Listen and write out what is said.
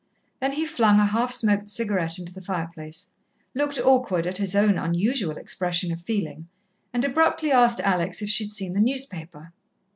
Then he flung a half smoked cigarette into the fireplace, looked awkward at his own unusual expression of feeling, and abruptly asked Alex if she'd seen the newspaper.